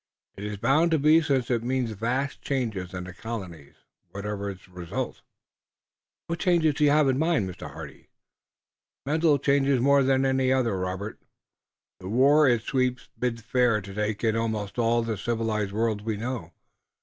It is bound to be since it means vast changes in the colonies, whatever its result." "What changes do you have in mind, Mr. Hardy?" "Mental changes more than any other, Robert. The war in its sweep bids fair to take in almost all the civilized world we know.